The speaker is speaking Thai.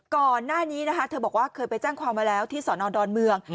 ก่อนหน้านี้นะคะเธอบอกว่าเคยไปแจ้งความมาแล้วที่สอนอดอนเมือง